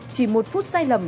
chỉ một phút sai lầm